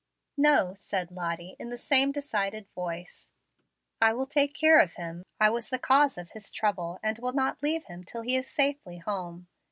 "No," said Lottie, in the same decided voice. "I will take care of him. I was the cause of his trouble, and will not leave him till he is safely home.